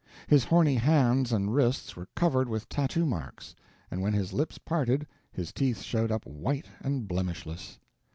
His horny hands and wrists were covered with tattoo marks, and when his lips parted, his teeth showed up white and blemishless.